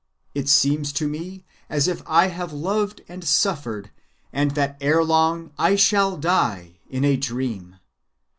It seems to me as if I have loved and suffered and that erelong I shall die, in a dream.